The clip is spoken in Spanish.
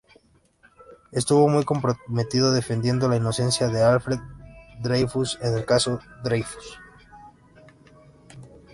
Estuvo muy comprometido defendiendo la inocencia de Alfred Dreyfus en el Caso Dreyfus.